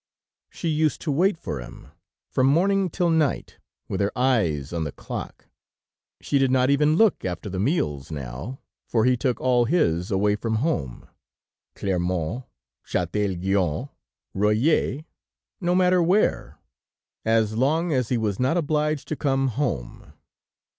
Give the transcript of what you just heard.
She used to wait for him from morning till night, with her eyes on the clock; she did not even look after the meals now, for he took all his away from home, Clermont, Chatel Guyon, Royat, no matter where, as long as he was not obliged to come home.